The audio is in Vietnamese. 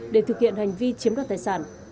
để thực hiện hành vi chiếm đoạt tài sản